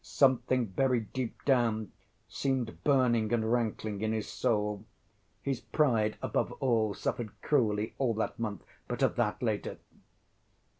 Something very deep down seemed burning and rankling in his soul. His pride above all suffered cruelly all that month. But of that later....